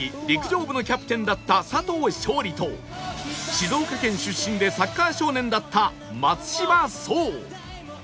陸上部のキャプテンだった佐藤勝利と静岡県出身でサッカー少年だった松島聡